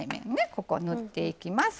ここ塗っていきます。